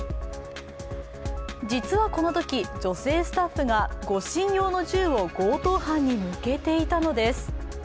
実はこのとき、女性スタッフが護身用の銃を強盗犯に向けていたのです。